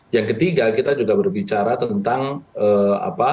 yang ketiga kita juga berbicara tentang apa